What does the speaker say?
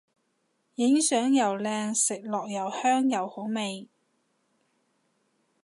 影相又靚食落又香又好味